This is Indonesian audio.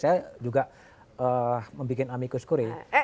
saya juga membuat amicus curi